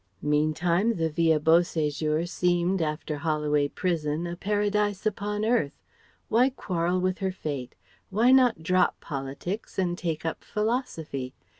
Meantime the Villa Beau séjour seemed after Holloway Prison a paradise upon earth. Why quarrel with her fate? Why not drop politics and take up philosophy?